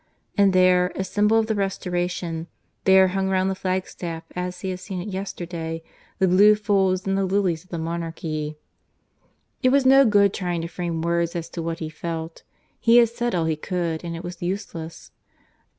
And there, as symbol of the Restoration, there hung round the flagstaff as he had seen it yesterday the blue folds and the lilies of the monarchy. It was no good trying to frame words as to what he felt. He had said all he could, and it was useless.